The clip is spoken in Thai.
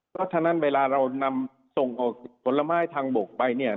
เพราะฉะนั้นเวลาเรานำส่งออกผลไม้ทางบกไปเนี่ย